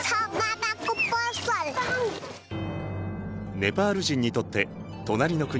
ネパール人にとって隣の国